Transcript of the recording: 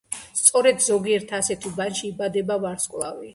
სწორედ ზოგიერთ ასეთ უბანში იბადება ვარსკვლავი.